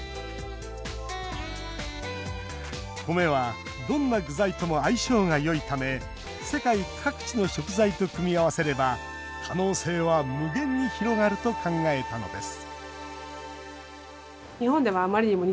コメは、どんな具材とも相性がよいため世界各地の食材と組み合わせれば可能性は無限に広がると考えたのです